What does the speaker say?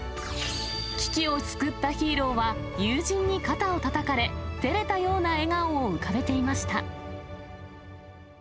危機を救ったヒーローは、友人に肩をたたかれ、てれたような笑顔を浮かべていました。